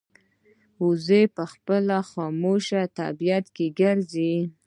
وزې په خاموش طبیعت ګرځي